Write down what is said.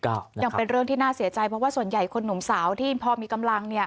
ยังเป็นเรื่องที่น่าเสียใจเพราะว่าส่วนใหญ่คนหนุ่มสาวที่พอมีกำลัง